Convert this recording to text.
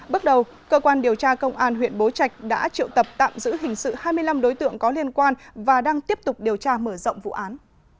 bước đầu cơ quan điều tra công an huyện bố trạch đã triệu tập tạm giữ hình sự hai mươi năm đối tượng có liên quan và đang tiếp tục điều tra mở rộng vụ án